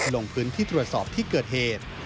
ลงพื้นที่ตรวจสอบที่เกิดเหตุ